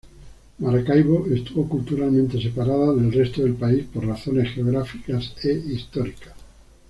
Maracaibo estuvo culturalmente separada del resto del país por razones geográficas e históricas.